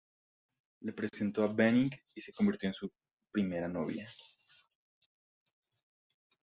Le presentó a Benning y se convirtió en su primera novia.